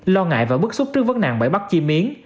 lo ngại và bức xúc trước vấn nạn bẫy bắt chim yến